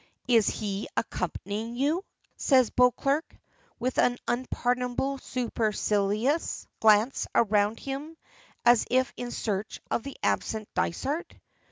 "Is he accompanying you?" says Beauclerk, with an unpardonable supercilious glance around him as if in search of the absent Dysart.